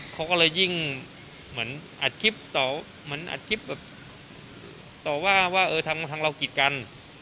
เขาก็เลยยิ่งเหมือนอัดคลิปต่อเหมือนอัดคลิปแบบต่อว่าว่าเออทางเรากิจกัน